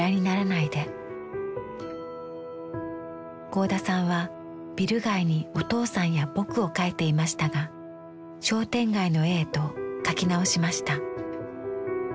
合田さんはビル街にお父さんや「ぼく」を描いていましたが商店街の絵へと描き直しました。